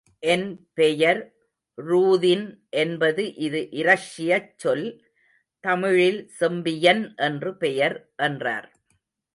என் பெயர் ரூதின் என்பது இது இரஷ்யச் சொல்.தமிழில் செம்பியன் என்று பெயர் என்றார்.